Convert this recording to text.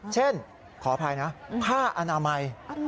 ขออภัยนะผ้าอนามัย